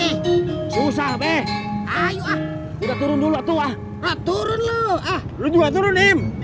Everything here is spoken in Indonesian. susah be ayo ah udah turun dulu tuh ah turun lu ah lu juga turun